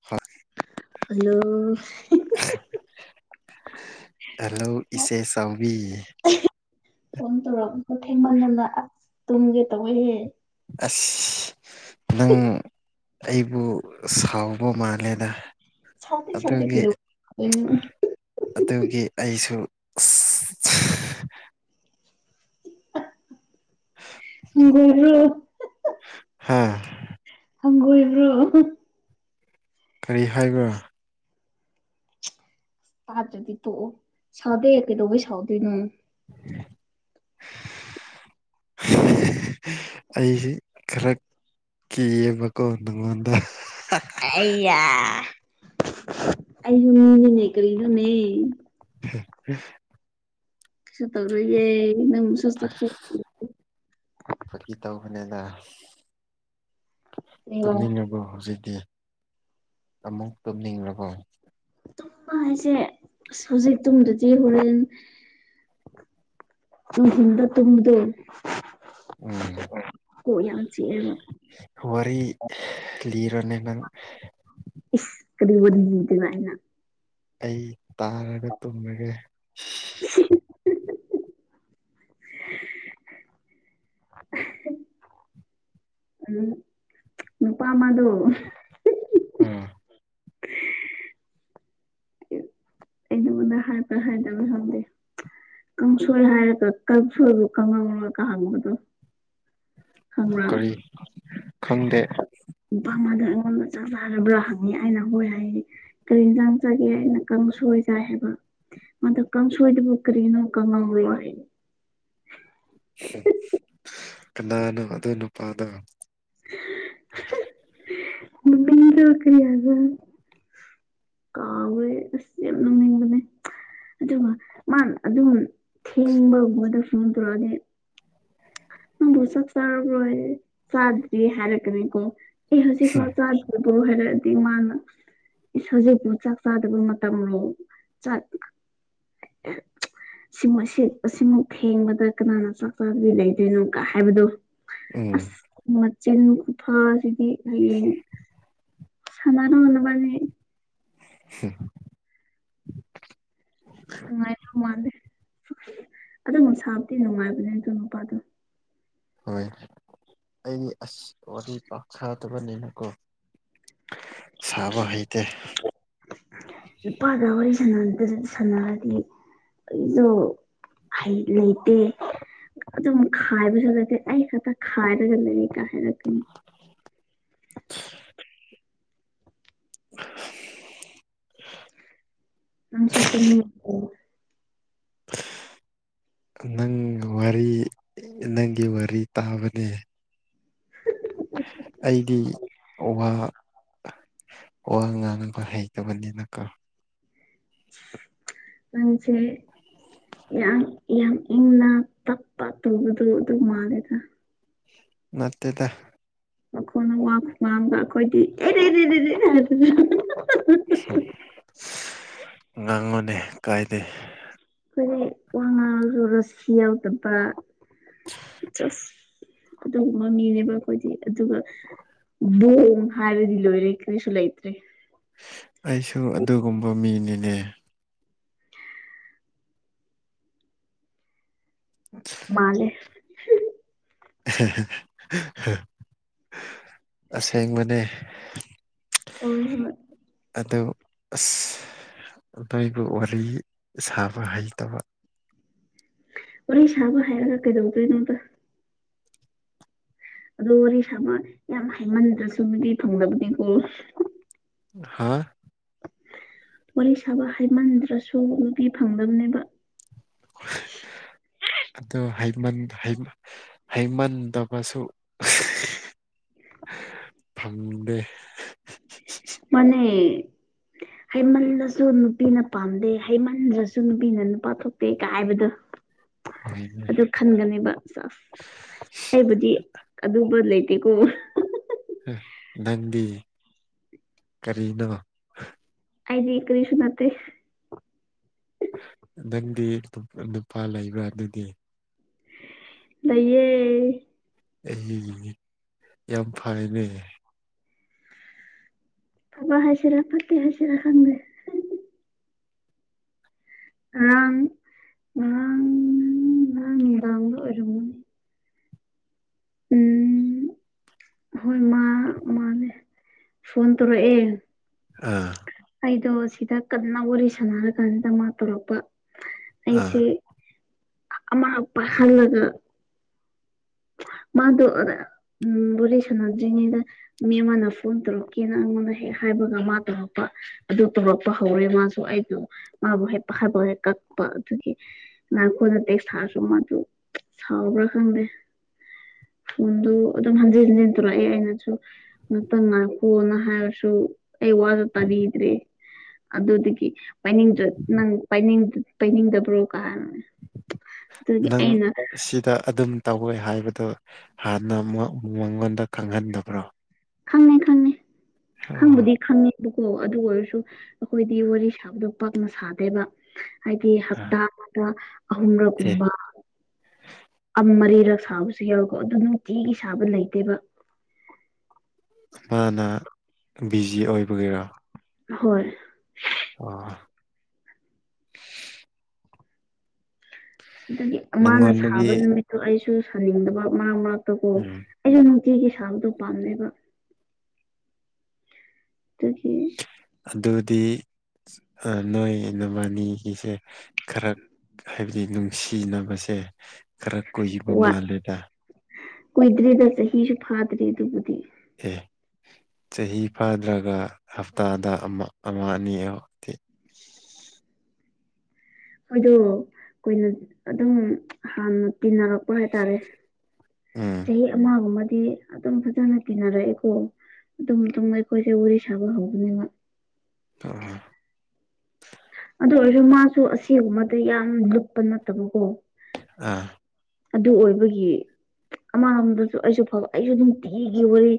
ꯍꯣꯏ hello hello phone ꯏꯆꯦ ꯆꯥꯎꯕꯤ ꯐꯣꯟ ꯇꯧꯔꯛꯄ ꯊꯦꯡꯃꯟꯗꯅ ꯑꯁ ꯇꯨꯝꯒꯦ ꯇꯧꯋꯦꯍꯦ ꯑꯁ ꯅꯪ ꯑꯩꯕꯨ ꯁꯥꯎꯕ ꯃꯥꯜꯂꯦꯗ ꯁꯥꯎꯗꯦ ꯋꯥꯎꯗꯦ ꯑꯗꯨꯒꯤ ꯀꯩꯗꯧꯕꯒꯤ ꯎꯝ ꯑꯗꯨꯒꯤ ꯑꯩꯁꯨ ꯨ [unintelligible] ꯍꯥꯥ ꯍꯪꯒꯣꯏꯕ꯭ꯔꯣ ꯀꯔꯤ ꯍꯥꯏꯕ꯭ꯔꯥ ꯇꯥꯗ꯭ꯔꯗꯤ ꯊꯣꯛꯑꯣ ꯁꯥꯗꯦ ꯀꯩꯗꯧꯕꯩ ꯁꯥꯎꯗꯣꯏꯅꯣ [unintelligible] ꯑꯩꯁꯤ ꯈꯔ ꯀꯤꯌꯦꯕꯀꯣ ꯅꯪꯉꯣꯟꯗ ꯑꯩꯌꯥ ꯑꯩꯁꯨ ꯃꯤꯅꯤꯅꯦ ꯀꯔꯤꯅꯣꯅꯦ [unintelligible] ꯁꯨ ꯇꯧꯔꯣꯏꯌꯦ ꯅꯪꯕꯨꯁꯨ ꯁꯨ ꯊꯣ ꯐꯥꯒꯤ ꯇꯧꯕꯅꯦꯗꯥ ꯇꯨꯝꯅꯤꯡꯉꯕꯣ ꯍꯧꯖꯤꯛꯇꯤ ꯑꯃꯨꯛ ꯇꯨꯝꯅꯤꯡꯔꯕꯣ ꯇꯨꯝꯕ ꯍꯥꯏꯁꯦ ꯑꯁ ꯍꯧꯖꯤꯛ ꯇꯨꯝꯗꯗꯤ ꯍꯨꯔꯦꯟ ꯅꯨꯡꯊꯤꯟꯗ ꯇꯨꯝꯕꯗꯨ ꯎꯝ ꯑꯥ ꯀꯣꯛ ꯌꯥꯝ ꯆꯤꯛꯑꯦꯕ ꯋꯥꯔꯤ ꯂꯤꯔꯣꯅꯦ ꯅꯪ ꯏꯁ ꯀꯔꯤ ꯋꯔꯤ ꯀꯥꯏꯅ ꯑꯩ ꯇꯥꯔꯒ ꯇꯨꯝꯔꯒꯦ [unintelligible] ꯎꯝ ꯅꯨꯄꯥ ꯃꯥꯗꯨ ꯑꯥ ꯑꯩꯩ ꯅꯉꯣꯟꯗ ꯍꯥꯏꯕ꯭ꯔ ꯍꯥꯏꯗꯕ ꯈꯪꯗꯦ ꯀꯪꯁꯣꯏ ꯍꯥꯏꯔꯒ ꯀꯪꯁꯣꯏꯕꯨ ꯀꯥꯡꯉꯧꯔꯒ ꯍꯪꯕꯗꯣ ꯈꯪꯕ꯭ꯔꯥ ꯀꯔꯤ ꯈꯪꯗꯦ ꯅꯨꯄꯥ ꯑꯃꯗꯣ ꯑꯩꯉꯣꯟꯗ ꯆꯥꯛ ꯆꯥꯔꯕ꯭ꯔꯥ ꯍꯪꯉꯤ ꯑꯩꯅ ꯍꯣꯏ ꯍꯥꯏꯌꯦ ꯀꯔꯤ ꯏꯟꯁꯥꯡ ꯆꯥꯒꯦ ꯑꯩꯅ ꯀꯥꯡꯁꯣꯏ ꯆꯥꯏ ꯍꯥꯏꯕ ꯃꯥꯗꯨ ꯀꯥꯡꯁꯣꯏꯗꯨꯕꯨ ꯀꯔꯤꯅꯣ ꯀꯪꯉꯧꯔꯣ ꯍꯥꯏꯌꯦ ꯀꯅꯥꯅꯣ ꯑꯗꯨ ꯅꯨꯄꯥꯗꯣ [unintelligible] ꯃꯃꯤꯡꯗꯨ ꯀꯔꯤ ꯍꯥꯏꯕ꯭ꯔꯥ ꯀꯥꯎꯋꯦ ꯑꯁ ꯌꯥꯝ ꯅꯨꯡꯅꯤꯡꯕꯅꯦ ꯑꯗꯨꯒ ꯃꯥꯟ ꯑꯗꯨꯝ ꯊꯦꯡꯕ [unintelligible] ꯅꯪꯕꯨ ꯆꯥꯛ ꯆꯥꯔꯕ꯭ꯔꯣ ꯍꯤꯢꯔꯦ ꯆꯥꯗ꯭ꯔꯤ ꯍꯥꯢꯔꯦ ꯀꯔꯤꯀꯣ ꯑꯦ ꯍꯧꯖꯤꯛ ꯐꯥꯎ ꯆꯥꯗ ꯗꯕꯣ ꯍꯥꯏꯔꯑꯗꯤ ꯃꯥꯅ ꯢꯁ ꯍꯧꯖꯤꯛꯄꯨ ꯆꯥꯛ ꯆꯥꯗꯕ ꯃꯇꯝꯔꯣ ꯆꯥꯠ ꯑꯦ ꯁꯤ ꯑꯁꯤ ꯑꯁꯤꯃꯨꯛ ꯊꯦꯡꯕꯗ ꯀꯅꯥꯅ ꯆꯥꯛ ꯆꯥꯗꯕꯤ ꯂꯩ ꯗꯣꯢꯅꯣ ꯀꯥꯏ ꯍꯥꯏꯕꯗꯣ ꯎꯝ ꯑꯁ ꯃꯆꯤꯟ ꯈꯨꯐꯥ ꯁꯤꯗꯤ ꯍꯌꯦꯡ ꯁꯅꯥꯅꯨ ꯅꯕꯥꯅꯤ [unintelligible] ꯅꯨꯡꯉꯥꯏꯗꯧ ꯃꯥꯟꯗꯦ ꯑꯗꯨꯕꯨ ꯁꯥꯥꯕꯗꯤ ꯅꯨꯡꯉꯥꯏꯕꯅꯦ ꯑꯗꯨ ꯅꯨꯄꯥꯗꯨ ꯍꯣꯏ ꯑꯩꯗꯤ ꯑꯁ ꯋꯥꯔꯤ ꯄꯥꯛ ꯁꯥꯗꯕꯅꯤꯅꯀꯣ ꯁꯥꯕ ꯍꯩꯇꯦ ꯅꯨꯄꯥꯅ ꯋꯥꯔꯤ ꯁꯥꯅꯗ ꯁꯥꯅꯗꯤ ꯑꯗꯨꯗꯣ ꯍꯩ ꯂꯩꯇꯦ ꯑꯗꯨꯝ ꯈꯥꯏꯕ ꯁꯨꯅꯠꯇꯦ ꯑꯩ ꯈꯥꯛꯇ ꯈꯥꯏꯔꯒ ꯂꯩ ꯀꯥꯏꯅꯥ ꯍꯥꯢꯔꯛꯀꯅꯤ [unintelligible] [unintelligible] ꯅꯪꯁꯨ ꯇꯨꯝꯅꯤꯡ ꯑꯣ [unintelligible] ꯅꯪꯒ ꯋꯥꯔꯤ ꯅꯪꯒꯤ ꯋꯥꯔꯤ ꯇꯥꯕꯅꯦ ꯑꯩꯗꯤ ꯋꯥ ꯋꯥ ꯉꯥꯡꯕ ꯍꯩꯇꯕꯅꯤꯅ ꯀꯣ ꯅꯪꯁꯦ ꯌꯥꯝ ꯌꯥꯝ ꯏꯪꯅ ꯇꯞꯄ ꯇꯨꯕꯗꯣ ꯑꯗꯨ ꯃꯥꯜꯂꯦꯗ ꯅꯠꯇꯦꯗ ꯑꯈꯣꯟꯅ ꯋꯥ ꯈꯨ ꯉꯥꯡꯗꯣ ꯑꯈꯣꯏꯗꯤ [unintelligible] [unintelligible] ꯉꯥꯡꯉꯣꯅꯦ ꯀꯥꯏꯗꯦ ꯑꯩꯈꯣꯏꯗꯤ ꯋꯥ ꯉꯥꯡꯉꯁꯨ ꯔꯁꯤ ꯌꯥꯎꯗꯕ [unintelligible] ꯑꯗꯨꯒꯨꯝꯕ ꯃꯤꯅꯦꯕ ꯑꯩꯈꯣꯏꯗꯤ ꯑꯗꯨꯒ ꯕꯣꯡ ꯍꯥꯏꯔꯗꯤ ꯂꯣꯏꯔꯦ ꯀꯔꯤꯁꯨ ꯂꯩꯇ꯭ꯔꯦ ꯑꯩꯁꯨ ꯑꯗꯨꯒꯨꯝꯕ ꯃꯤꯅꯤꯅꯦ ꯃꯥꯟꯂꯦ [unintelligible] ꯑꯁꯦꯡꯕꯅꯦ [unintelligible] ꯑꯗꯨ ꯑꯁ ꯑꯗꯥꯏꯕꯨ ꯋꯥꯔꯤ ꯁꯥꯕ ꯍꯩꯇꯕ ꯋꯥꯔꯤ ꯁꯥꯕ ꯍꯩꯔꯒ ꯀꯩꯗꯧꯗꯣꯏ ꯅꯣꯗ ꯑꯗꯨ ꯋꯥꯔꯤ ꯁꯥꯕ ꯌꯥꯝ ꯍꯥꯏꯃꯟꯗ꯭ꯔꯁꯨ ꯅꯨꯄꯤ ꯐꯪꯗꯕꯅꯦꯀꯣ ꯍꯥꯥ ꯋꯥꯔꯤ ꯁꯥꯕ ꯍꯥꯏꯃꯟꯗ꯭ꯔꯁꯨ ꯅꯩꯄꯤ ꯐꯪꯗꯕꯅꯦꯕ [unintelligible] ꯑꯗꯣ ꯍꯩꯃꯟ ꯍꯩꯃ ꯍꯩꯃꯟꯗꯕꯁꯨ [unintelligible] ꯐꯪꯗꯦ ꯃꯟꯅꯦ ꯍꯩꯃꯟꯂꯁꯨ ꯅꯨꯄꯤꯅ ꯄꯥꯝꯗꯦ ꯍꯩꯃꯟꯗ꯭ꯔꯁꯨ ꯅꯨꯄꯤꯅ ꯅꯨꯄꯥ ꯊꯣꯛꯇꯦ ꯀꯥꯢ ꯍꯥꯏꯕꯗꯣ [unintelligible] ꯍꯣꯏꯅꯦ ꯑꯗꯨ ꯈꯟꯒꯤꯅꯦꯕ ꯑꯩꯕꯨꯗꯤ ꯑꯗꯨꯕ ꯂꯩꯇꯦ ꯀꯣ ꯅꯪꯗꯤ ꯀꯔꯤꯅꯣ ꯑꯩꯗꯤ ꯀꯔꯤꯁꯨ ꯅꯠꯇꯦ ꯅꯪꯗꯤ ꯑꯇꯣꯞꯄ ꯅꯨꯄꯥ ꯂꯩꯕ꯭ꯔ ꯑꯗꯨꯗꯤ ꯂꯩꯌꯦ ꯑꯩ ꯌꯥꯝ ꯐꯩꯌꯦꯅꯦ ꯐꯕ ꯍꯥꯁꯤꯔ ꯐꯠꯇꯦ ꯍꯥꯁꯤꯔ ꯈꯪꯪꯗꯦ ꯉꯥꯔꯥꯡ ꯉꯥꯔꯥꯡ ꯅꯨꯗꯥꯡ ꯁꯨ ꯑꯣꯢꯔꯝꯒꯅꯤ ꯎꯝ ꯍꯣꯏ ꯃꯥ ꯃꯥꯅꯦ ꯐꯣꯟ ꯇꯧꯔꯛꯑꯦ ꯑꯥ ꯑꯩꯗꯣ ꯁꯤꯗ ꯀꯟꯅ ꯋꯥꯔꯤ ꯁꯥꯟꯅꯔ ꯀꯥꯟꯗ ꯃꯥ ꯇꯧꯔꯛꯄ ꯑꯥ ꯑꯩꯁꯦ ꯑꯃ ꯍꯥꯛꯄ ꯍꯜꯂꯒ ꯃꯥꯗꯣ ꯎꯝ ꯋꯥꯔꯤ ꯁꯟꯅꯗꯣꯢꯅꯤꯅꯥ ꯃꯤ ꯑꯃꯅ ꯐꯣꯟ ꯇꯧꯔꯛꯀꯦꯅ ꯑꯩꯉꯣꯟꯗ ꯍꯦꯛ ꯍꯥꯏꯕꯒ ꯃꯥ ꯇꯧꯔꯛꯄ ꯑꯗꯨ ꯇꯧꯔꯛꯄ ꯍꯧꯔꯦ ꯃꯥꯁꯨ ꯑꯩꯗꯣ ꯃꯥꯕꯨ ꯍꯦꯛ ꯀꯛꯄ ꯍꯦꯛ ꯀꯛꯄꯥ ꯑꯗꯨꯒꯤ ꯅ ꯑꯩꯈꯣꯏꯅ ꯇꯦꯛꯁ ꯊꯥꯔꯁꯨ ꯃꯥꯗꯨ ꯁꯥꯎꯕ꯭ꯔꯥ ꯈꯪꯗꯦ ꯐꯣꯟꯗ ꯑꯗꯨꯝ ꯍꯟꯖꯤꯟ ꯍꯟꯖꯤꯟ ꯇꯔꯛꯑꯦ ꯑꯩꯅꯖꯨ ꯉꯥꯇꯪ ꯉꯥꯢꯈꯣꯅ ꯍꯥꯏꯔꯖꯨ ꯑꯩ ꯋꯥꯗꯣ ꯇꯥꯕꯤꯗ꯭ꯔꯦ ꯑꯗꯨꯗꯒꯤ ꯄꯥꯢꯅꯤꯡꯗ꯭ꯔ ꯅꯪ ꯄꯥꯢꯅꯤꯡꯗ꯭ꯔ ꯄꯩꯅꯤꯡꯗꯕ꯭ꯔꯣ ꯀꯥꯢꯅ ꯅꯪ ꯁꯤꯗ ꯑꯗꯨꯝ ꯇꯧꯋꯦ ꯍꯥꯏꯕꯗꯨ ꯍꯥꯟꯅ ꯃ ꯃꯉꯣꯟꯗ ꯈꯪꯍꯟꯗꯕ꯭ꯔꯣ ꯈꯪꯉꯦ ꯈꯪꯉꯦ ꯑꯣ ꯈꯪꯕꯨꯗꯤ ꯈꯪꯉꯦ ꯀꯣ ꯑꯗꯨ ꯑꯣꯏꯔꯁꯨ ꯑꯈꯣꯏꯗꯤ ꯋꯥꯔꯤ ꯁꯥꯕꯗꯣ ꯄꯥꯛꯅ ꯁꯥꯗꯦꯕ ꯍꯥꯏꯗꯤ ꯍꯞꯇꯥ ꯑꯃꯗ ꯑꯍꯨꯝ ꯂꯛ ꯑꯦ ꯒꯨꯝꯕ ꯑꯝ ꯃꯔꯤꯔꯛ ꯁꯥꯕꯁꯨ ꯌꯥꯎꯢꯀꯣ ꯑꯗꯨ ꯅꯨꯡꯇꯤꯒꯤ ꯁꯥꯕ ꯂꯩꯇꯦꯕ ꯃꯥꯅ ꯕꯤꯖꯤ ꯑꯣꯏꯕꯒꯤꯔꯣ ꯍꯣꯏ ꯑꯣ ꯑꯗꯨꯒꯤ ꯃꯥꯅ ꯁꯥꯕ ꯅꯪꯉꯣꯟꯗꯒꯤ ꯅꯨꯃꯤꯠꯇꯣ ꯑꯩꯁꯨ ꯁꯥꯅꯤꯡꯗꯕ ꯃꯔꯛ ꯃꯔꯛꯇꯀꯣ ꯎꯝ ꯑꯩꯖꯨꯥ ꯅꯨꯡꯇꯤꯒꯤ ꯁꯥꯕꯗꯣ ꯄꯥꯝꯗꯦꯕ [unintelligible] ꯑꯗꯨꯗꯤ ꯅꯣꯏ ꯅꯕꯥꯟ ꯅꯤꯒꯤꯁꯦ ꯈꯔ ꯍꯥꯏꯕꯗꯤ ꯅꯨꯡꯁꯤꯅꯕꯁꯦ ꯈꯔ ꯀꯨꯏꯕ ꯋꯥ ꯃꯥꯜꯂꯦꯗ ꯀꯨꯏꯗ꯭ꯔꯤꯗ ꯆꯍꯤꯁꯨ ꯐꯥꯗꯔꯤ ꯑꯗꯨꯒꯤꯗꯤ ꯑꯦ ꯆꯍꯤ ꯐꯥꯗ꯭ꯔꯒ ꯍꯞꯇꯥꯗ ꯑꯃ ꯑꯃ ꯑꯅꯤ ꯈꯣꯢꯗꯨ ꯀꯨꯏꯅ ꯑꯗꯨꯝ ꯍꯥꯟꯅ ꯇꯤꯟꯅꯔꯛꯄ ꯍꯥꯏꯇꯥꯔꯦ ꯎꯝ ꯆꯍꯤ ꯑꯃꯒꯨꯝꯕꯗꯤ ꯑꯗꯨꯝ ꯐꯖꯅ ꯇꯤꯟꯅꯔꯛꯑꯦꯀꯣ ꯑꯗꯨꯝ ꯑꯗꯨꯝ ꯑꯩꯈꯣꯏꯁꯦ ꯋꯥꯔꯤ ꯁꯥꯕ ꯍꯧꯕꯅꯤꯅ [inaudible] ꯑꯗꯨ ꯑꯣꯏꯔꯁꯨ ꯃꯥꯁꯨ ꯑꯁꯤꯒꯨꯝꯕꯗ ꯌꯥꯝ ꯂꯨꯞꯄ ꯅꯠꯇꯕꯀꯣ ꯑ ꯑꯗꯨ ꯑꯣꯏꯕꯒꯤ ꯑꯃ ꯑꯝꯗꯁꯨ ꯑꯩꯁꯨ ꯐꯥꯕ ꯑꯩꯖꯨ ꯅꯨꯡꯇꯤꯒꯤ ꯋꯥꯔꯤ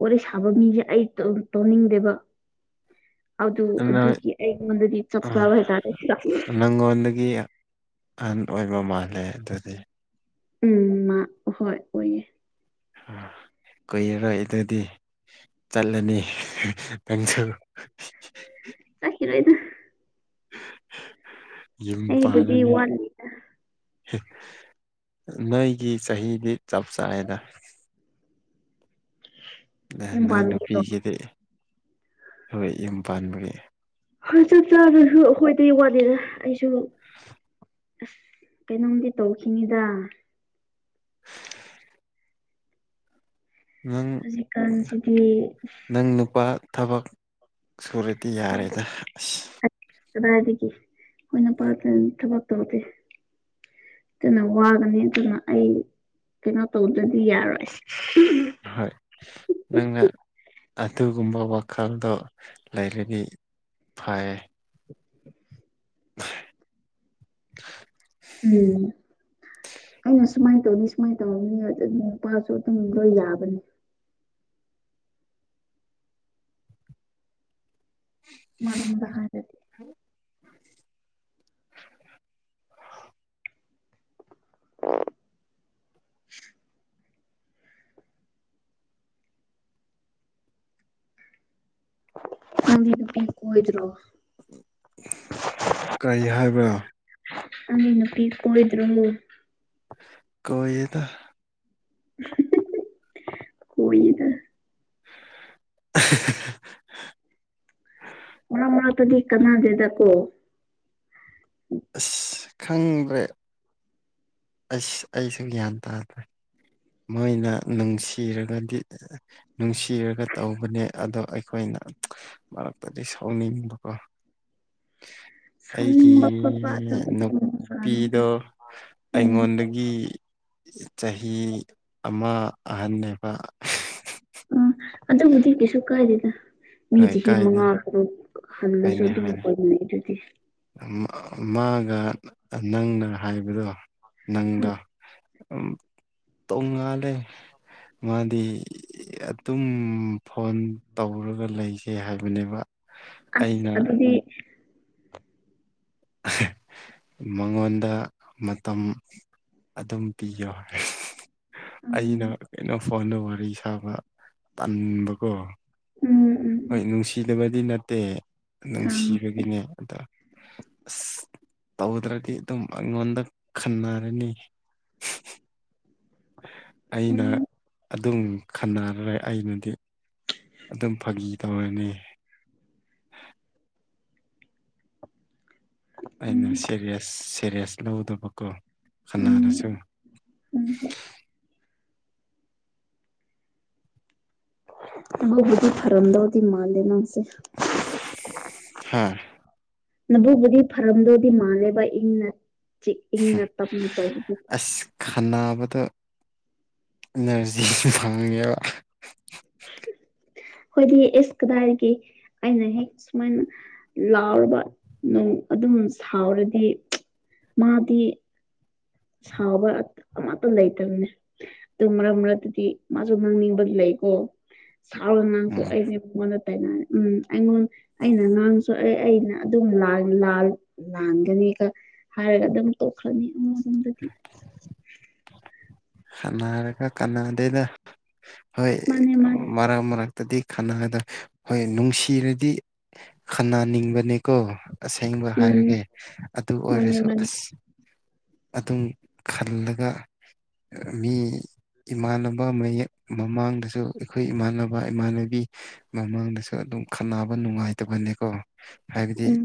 ꯋꯥꯔꯤ ꯁꯥꯕ ꯃꯤꯖꯦ ꯑꯩ ꯇꯧꯅꯤꯡꯗꯦꯕ ꯑꯗꯨ ꯅꯣꯏ ꯑꯗꯨꯒꯤ ꯑꯩ ꯉꯣꯟꯗꯗꯤ ꯆꯞꯆꯥꯕ ꯍꯥꯏꯇꯥꯔꯦ ꯅꯉꯣꯟꯗꯒꯤ ꯑꯍꯟ ꯑꯣꯏꯕ ꯃꯥꯜꯂꯦ ꯑꯗꯨꯗꯤ ꯎꯝ ꯃꯥ ꯍꯣꯏ ꯑꯣꯏꯌꯦ ꯀꯨꯔꯔꯣꯏ ꯑꯗꯨꯗꯤ ꯆꯠꯂꯅꯤ ꯅꯪꯁꯨ ꯆꯠꯈꯤꯔꯣꯏꯗ ꯅꯪꯁꯨ ꯌꯨꯝ ꯑꯩꯕꯨꯗꯤ ꯄꯥꯜꯂꯅꯤ ꯋꯥꯠꯂꯤ ꯅꯣꯏꯒꯤ ꯆꯍꯤꯗꯤ ꯆꯞ ꯆꯥꯔꯦꯗ [inaudible] ꯅꯣꯏ ꯄꯥꯟꯕꯒꯤꯗꯣ ꯅꯨꯄꯤꯒꯤꯗꯤ ꯍꯣꯏ ꯌꯨꯝ ꯄꯥꯟꯕꯒꯤ ꯍꯣꯏ ꯆꯞ ꯆꯥꯕꯖꯨ ꯑꯈꯣꯏꯇꯤ ꯋꯥꯠꯂꯤꯗ ꯑꯩꯁꯨ ꯑꯁ ꯀꯩꯅꯣꯝꯗꯤ ꯇꯧꯈꯤꯅꯤꯗ ꯅꯪ ꯍꯧꯖꯤꯛꯀꯥꯟꯁꯤꯗꯤ ꯅꯪ ꯅꯨꯄꯥ ꯊꯥꯕꯛ ꯁꯨꯔꯗꯤ ꯌꯥꯔꯦꯗ ꯑꯁ ꯀꯗꯥꯏꯗꯒꯤ ꯑꯩꯈꯣꯏ ꯅꯨꯄꯥꯗꯨ ꯊꯥꯕꯛ ꯇꯧꯗꯦ ꯑꯗꯨꯅ ꯋꯥꯒꯅꯤ ꯑꯗꯨꯅ ꯑꯩ ꯀꯩꯅꯣ ꯇꯧꯗ꯭ꯔꯗꯤ ꯌꯥꯔꯣꯏ ꯍꯣꯏ ꯅꯪꯅ ꯑꯗꯨꯒꯨꯝꯕ ꯋꯥꯈꯜꯗꯣ ꯂꯩꯔꯗꯤ ꯐꯩ [inaudible] ꯎꯝ ꯑꯩꯅ ꯁꯨꯃꯥꯏꯟ ꯇꯧꯅꯤ ꯁꯨꯃꯥꯏꯟ ꯇꯧꯔꯅꯤ ꯑꯗꯨ ꯅꯨꯄꯥꯁꯨ ꯑꯗꯨꯝ ꯂꯣꯏ ꯌꯥꯕꯅꯤ [unintelligible] [inaudible] ꯅꯪꯗꯤ ꯅꯨꯄꯤ ꯀꯣꯏꯗ꯭ꯔꯣ ꯀꯩ ꯍꯥꯏꯕꯥ ꯅꯪꯗꯤ ꯅꯨꯄꯤ ꯀꯣꯏꯗ꯭ꯔꯣ ꯀꯣꯏꯌꯦꯗꯥ ꯀꯣꯏꯌꯦꯗꯥ [unintelligible] ꯃꯔꯛ ꯃꯔꯛꯇꯗꯤ ꯀꯅꯥꯗꯦꯗ ꯀꯣ ꯑꯁ ꯈꯪꯗ꯭ꯔꯦ ꯑꯁ ꯑꯩꯁꯨ ꯒ꯭ꯌꯥꯟ ꯇꯥꯗ꯭ꯔꯦ ꯃꯣꯏꯅ ꯅꯨꯡꯁꯤꯔꯒꯗꯤ ꯅꯨꯡꯁꯤꯔꯒ ꯇꯧꯕꯅꯦ ꯑꯗꯣ ꯑꯩꯈꯣꯏꯅ ꯃꯔꯥꯛꯇꯗꯤ ꯁꯥꯎꯅꯤꯡꯕ ꯀꯣ ꯁꯥꯎꯅꯤꯡꯕ ꯈꯣꯠꯄꯥ ꯑꯦ ꯅꯨꯄꯤꯗꯣ ꯎꯝ ꯑꯩꯉꯣꯟꯗꯒꯤ ꯏ ꯆꯍꯤ ꯑꯃꯥ ꯑꯍꯟꯅꯦꯕ ꯎꯝ ꯑꯗꯨꯕꯨꯗꯤ ꯀꯩꯁꯨ ꯀꯥꯏꯗꯦꯗ ꯃꯤ ꯍꯣꯏ ꯆꯍꯤ ꯀꯥꯏꯗꯦ ꯃꯉꯥ ꯇꯔꯨꯛ ꯍꯜꯂꯁꯨ ꯑꯗꯨꯝ ꯀꯣꯏꯅꯩꯗꯨꯗꯤ ꯎꯝ ꯃꯥꯒ ꯅꯪꯅ ꯍꯥꯏꯕꯗꯣ ꯎꯝ ꯅꯪꯗꯣ ꯎꯝ ꯇꯣꯡꯉꯥꯜꯂꯦ ꯃꯥꯗꯤ ꯑꯗꯨꯝ ꯐꯣꯟ ꯇꯧꯔꯒ ꯂꯩꯁꯦ ꯍꯥꯏꯕꯅꯦꯕ ꯑꯁ ꯑꯩꯅ ꯑꯗꯨꯗꯤ ꯃꯉꯣꯟꯗ ꯃꯇꯝ ꯑꯗꯨꯝ ꯄꯤꯌꯣ ꯎꯝ ꯑꯩꯅ ꯀꯩꯅꯣ ꯐꯣꯟꯗꯨ ꯋꯥꯔꯤ ꯁꯥꯕ ꯇꯟꯕꯀꯣ ꯎꯝ ꯎꯝ ꯎꯝ ꯍꯣꯏ ꯅꯨꯡꯁꯤꯗꯕꯗꯤ ꯅꯠꯇꯦ ꯍꯥꯡ ꯅꯨꯡꯁꯤꯕꯒꯤꯅꯦ ꯑꯗ ꯑꯁ ꯇꯧꯗ꯭ꯔꯗꯤ ꯑꯗꯨꯝ ꯑꯩꯉꯣꯟꯗ ꯈꯟꯅꯔꯅꯤ ꯑꯩꯅ ꯎꯝ ꯑꯗꯨꯝ ꯈꯟꯅꯔꯦ ꯑꯩꯅꯗꯤ ꯑꯗꯨꯝ ꯐꯥꯒꯤ ꯇꯧꯔꯅꯤ ꯎꯝ ꯑꯩꯅ ꯁꯦꯔꯤꯌꯁ ꯁꯦꯔꯤꯌꯁ ꯂꯧꯗꯕꯀꯣ ꯈꯅꯥꯔꯁꯨ ꯎꯝ ꯍꯨꯝ ꯑꯗꯨꯕꯨꯗꯤ ꯐꯔꯝꯗꯧꯗꯤ ꯃꯥꯂꯦ ꯅꯪꯁꯦ ꯍꯥꯥ ꯅꯕꯨꯛꯕꯨꯗꯤ ꯐꯔꯝꯗꯧꯗꯤ ꯃꯥꯥꯟꯂꯦꯕ ꯏꯪꯅ ꯆꯤꯛ ꯏꯪꯅ ꯇꯞꯅ ꯇꯧꯕꯗꯨ ꯈꯥꯟꯅꯕꯗ ꯏꯅꯔꯖꯤꯁꯨ ꯐꯪꯉꯦꯕ [unintelligible] ꯈꯣꯏꯗꯤ ꯑꯦꯁ ꯀꯗꯥꯏꯗꯒꯤ ꯑꯩꯅ ꯍꯦꯛ ꯁꯨꯃꯥꯏꯅ ꯂꯥꯎꯔꯕ ꯅꯨꯡ ꯑꯗꯨꯝ ꯁꯥꯎꯔꯗꯤ ꯃꯥꯗꯤ ꯁꯥꯎꯕ ꯑꯠ ꯑꯃꯠ ꯇꯨ ꯂꯩꯇꯕꯅꯦ ꯗꯨ ꯃꯔꯛ ꯃꯔꯛꯇꯗꯤ ꯃꯥꯖꯨ ꯉꯥꯡꯅꯤꯡꯕ ꯂꯩꯀꯣ ꯁꯥꯎꯔ ꯅꯪꯁꯨ ꯎꯝ ꯑꯩꯅꯦ ꯑꯩꯉꯣꯟꯗ ꯇꯥꯏꯅꯩ ꯎꯝ ꯑꯩꯉꯣꯟ ꯑꯩꯅ ꯉꯥꯡꯔꯁꯨ ꯑꯩ ꯑꯩꯅ ꯑꯗꯨꯝ ꯂꯥꯜ ꯂꯥꯜ ꯂꯥꯟꯒꯅꯤꯒ ꯍꯥꯏꯔꯒ ꯑꯗꯨꯝ ꯇꯣꯛꯈ꯭ꯔꯅꯤ ꯑꯃꯨꯔꯣꯝꯗꯗꯤ ꯁꯅꯔꯒ ꯀꯥꯟꯅꯗꯦꯗ ꯍꯣꯏ ꯃꯥꯅꯦ ꯃꯥꯅꯦ ꯃꯔꯛ ꯃꯔꯛꯇꯗꯤ ꯈꯠꯅꯗ ꯍꯣꯏ ꯅꯨꯡꯁꯤꯔꯗꯤ ꯈꯟꯅꯥ ꯅꯤꯡꯕꯅꯦꯀꯣ ꯑꯁꯦꯡꯕ ꯎꯝ ꯍꯥꯏꯔꯒꯦ ꯑꯗꯨ ꯃꯥꯅꯦ ꯑꯣꯏꯔꯁꯨ ꯃꯥꯅꯦ ꯑꯁ ꯑꯗꯨꯝ ꯈꯜꯂꯒ ꯑ ꯃꯤ ꯏꯃꯥꯟꯅꯕ ꯃꯌꯦꯛ ꯃꯃꯥꯡꯗꯖꯨ ꯑꯩꯈꯣꯏ ꯏꯃꯥꯟꯅꯕ ꯏꯃꯥꯟꯅꯕꯤ ꯃꯃꯥꯡꯗꯁꯨ ꯑꯗꯨꯝ ꯈꯠꯅꯕ ꯅꯨꯡꯉꯥꯏꯇꯕꯅꯦꯀꯣ ꯍꯥꯏꯕꯗꯤ ꯎꯝ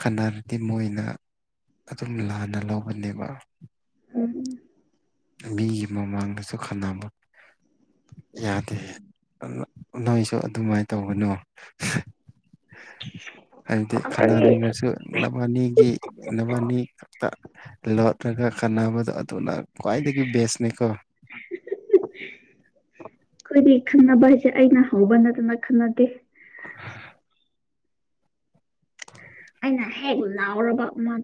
ꯈꯠꯅꯔꯗꯤ ꯃꯣꯏꯅ ꯑꯗꯨꯝ ꯂꯥꯟꯅ ꯂꯧꯕꯅꯦꯕ ꯎꯝ ꯃꯤꯒꯤ ꯃꯃꯥꯡꯗꯁꯨ ꯈꯠꯅꯕ ꯌꯥꯗꯦ ꯑ ꯅꯣꯏ ꯅꯣꯏꯁꯨ ꯑꯗꯨꯃꯥꯏ ꯇꯧꯒꯅꯨ ꯍꯥꯏꯕꯗꯤ ꯑꯩꯈꯣꯏꯗꯤ ꯈꯥꯅꯅꯤꯡꯉꯁꯨ ꯅꯕꯥꯅꯤꯒꯤ ꯅꯕꯥꯅꯤ ꯈꯛꯇ ꯂꯣꯠꯔꯒ ꯈꯟꯅꯕꯗꯣ ꯑꯗꯨꯅ ꯈ꯭ꯋꯥꯏꯗꯒꯤ ꯕꯦꯁꯅꯦ ꯀꯣ ꯈꯣꯏꯗꯤ ꯈꯠꯅꯕꯁꯦ ꯑꯩꯅ ꯍꯧꯕ ꯅꯠꯇꯅ ꯈꯠꯅꯗꯦ [unintelligible] ꯑꯩꯅ ꯍꯦꯛ ꯂꯥꯎꯔꯕ ꯃꯥ